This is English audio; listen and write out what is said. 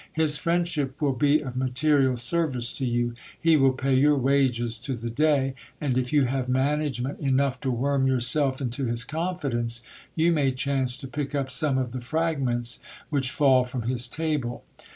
His friend ship will be of material service to you. He will pay your wages to the day; and, if you have management enough to worm yourself into his confidence, you may chance to pick up some of the fragments which fall from his table.